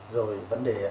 rồi vấn đề ăn